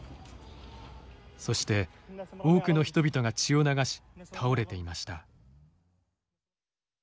そして多くの人々が血を流し倒れていました。